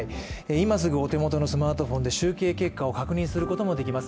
今すぐお手元のスマートフォンで集計結果を確認することもできます。